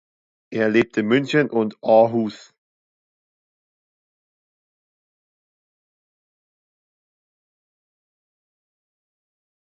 Er lebt in München und Aarhus.